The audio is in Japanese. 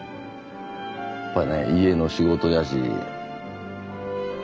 やっぱりね家の仕事やし。